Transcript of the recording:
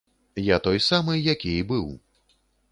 Я той самы, які і быў.